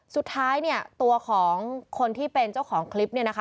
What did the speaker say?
สุดท้ายตัวของคนที่เป็นเจ้าของคลิป